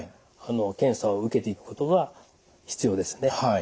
検査を受けていくことが必要ですね。